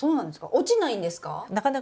落ちないんですか？